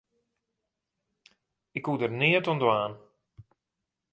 Ik koe der neat oan dwaan.